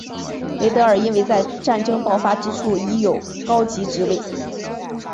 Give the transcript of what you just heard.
雷德尔因为在战争爆发之初已有高级职位。